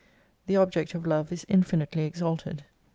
The object of Love is infinitely exalted.